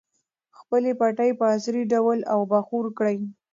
خپلې پټۍ په عصري ډول اوبخور کړئ.